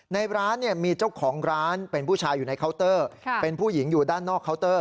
ในร้านมีเจ้าของร้านเป็นผู้ชายอยู่ในเคาน์เตอร์เป็นผู้หญิงอยู่ด้านนอกเคาน์เตอร์